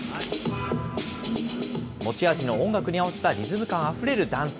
持ち味の音楽に合わせたリズム感あふれるダンス。